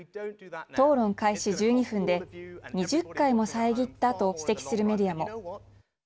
討論開始１２分で２０回も遮ったと指摘するメディアも。